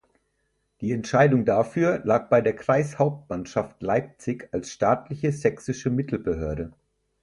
Die Entscheidung dafür lag bei der Kreishauptmannschaft Leipzig als staatliche sächsische Mittelbehörde.